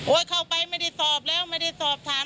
เข้าไปไม่ได้สอบแล้วไม่ได้สอบถาม